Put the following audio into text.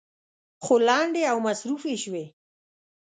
خو لنډې او مصروفې شوې.